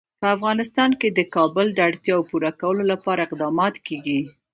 په افغانستان کې د کابل د اړتیاوو پوره کولو لپاره اقدامات کېږي.